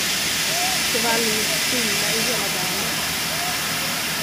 Det var alldeles stilla i hela dalen.